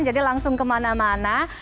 jadi langsung kemana mana